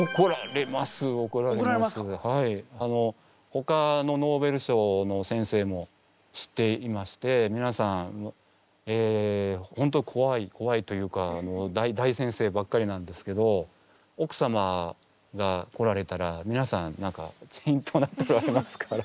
ほかのノーベル賞の先生も知っていましてみなさんホントこわいこわいというか大先生ばっかりなんですけど奥様が来られたらみなさんけんきょになっておられますから。